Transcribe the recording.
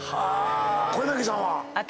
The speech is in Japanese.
小柳さんは？